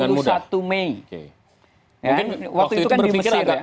mungkin waktu itu kan di mesir ya